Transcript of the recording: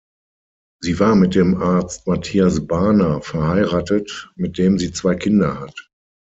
Sie war mit dem Arzt Matthias Barner verheiratet, mit dem sie zwei Kinder hat.